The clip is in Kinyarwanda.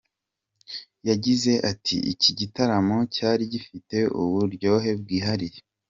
Yagize ati “Iki gitaramo cyari gifite uburyohe bwihariye.